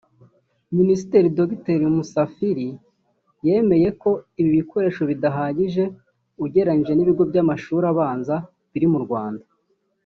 Minisitiri Dr Musafiri yemera ko ibi bikoresho bidahagije ugereranyije n’ibigo by’amashuri abanza biri mu Rwanda